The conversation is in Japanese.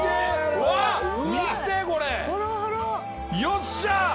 よっしゃー！